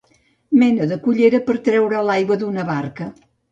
Mena de cullera per treure l'aigua d'una barca.